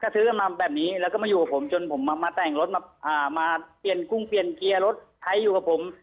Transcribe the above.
ซื้อกันมาแบบนี้แล้วก็มาอยู่กับผมจนผมมาแต่งรถมาเปลี่ยนกุ้งเปลี่ยนเกียร์รถใช้อยู่กับผม